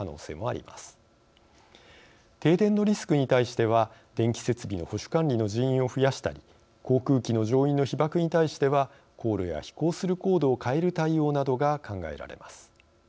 停電のリスクに対しては電気設備の保守管理の人員を増やしたり航空機の乗員の被ばくに対しては航路や飛行する高度を変える対応などが考えられます。